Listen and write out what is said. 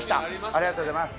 ありがとうございます。